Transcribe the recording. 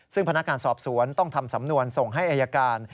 ซึ่งพนักงานสอบสวนต้องทำสำนวนส่งให้อายการ